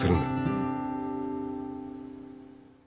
うん。